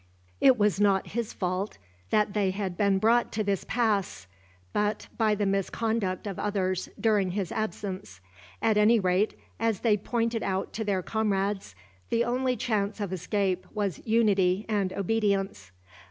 It was not his fault that they had been brought to this pass, but by the misconduct of others, during his absence. At any rate, as they pointed out to their comrades, the only chance of escape was unity and obedience.